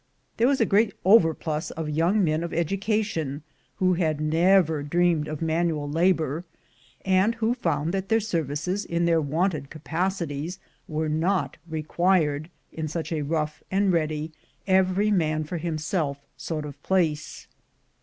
There was a great overplus of young men of edu cation, who had never dreamed of manual labor, and who found that their services in their wonted capaci ties were not required in such a rough and ready, every man for himself sort of place.